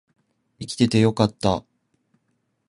生きててよかった